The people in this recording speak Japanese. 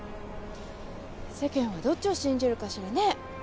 世間はどっちを信じるかしらね。